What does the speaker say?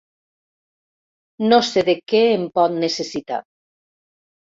No sé de què em pot necessitar.